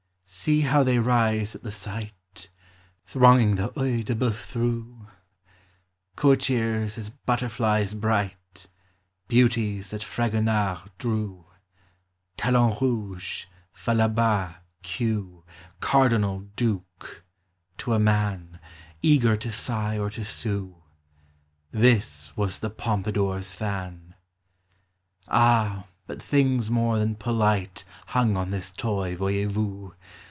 See how they rise at the sight, Thronging the (Ed de Boeuf through, Courtiers as butterflies bright, Beauties that Fragonard drew, T< do n rouge, falaba, queue, Cardinal, duke, — to a man, Eager to sigh or to sue, — This was the Pompadour's fan ! Ah, but tilings more than polite Hung on this toy, voyez vous